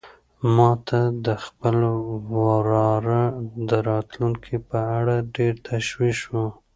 ما ته د خپل وراره د راتلونکي په اړه ډېر تشویش و.